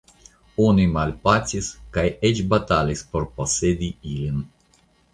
Oni malpacis, kaj eĉ batalis por posedi ilin.